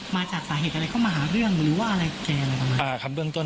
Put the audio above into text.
มาจากสาเหตุอะไรเข้ามาหาเรื่องหรือว่าอะไรแกอะไรประมาณนั้น